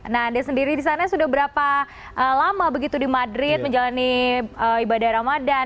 nah anda sendiri di sana sudah berapa lama begitu di madrid menjalani ibadah ramadan